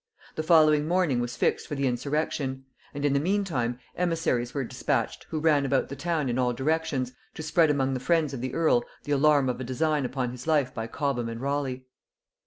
The following morning was fixed for the insurrection; and in the meantime emissaries were dispatched, who ran about the town in all directions, to spread among the friends of the earl the alarm of a design upon his life by Cobham and Raleigh.